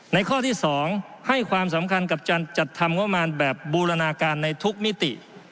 ข้อที่๒ให้ความสำคัญกับการจัดทำงบประมาณแบบบูรณาการในทุกมิติ